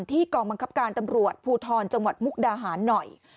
กองบังคับการตำรวจภูทรจังหวัดมุกดาหารหน่อย